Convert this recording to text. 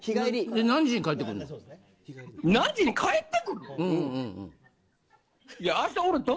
何時に帰ってくる。